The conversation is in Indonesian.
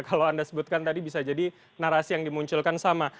kalau anda sebutkan tadi bisa jadi narasi yang dimunculkan sama